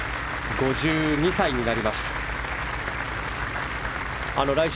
５２歳になりました。